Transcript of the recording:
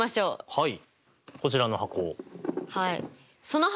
はい。